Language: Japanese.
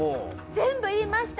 全部言いました。